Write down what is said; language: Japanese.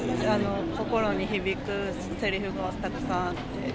心に響くせりふがたくさんあって。